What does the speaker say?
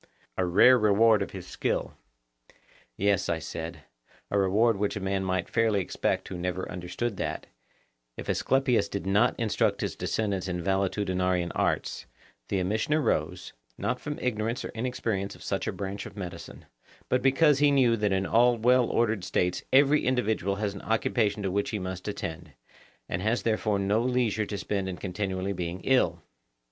A rare reward of his skill! Yes, I said; a reward which a man might fairly expect who never understood that, if Asclepius did not instruct his descendants in valetudinarian arts, the omission arose, not from ignorance or inexperience of such a branch of medicine, but because he knew that in all well ordered states every individual has an occupation to which he must attend, and has therefore no leisure to spend in continually being ill.